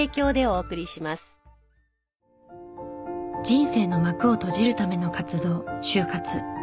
人生の幕を閉じるための活動終活。